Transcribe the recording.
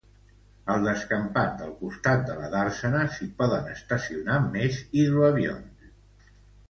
Al descampat del costat de la dàrsena s'hi poden estacionar més hidroavions.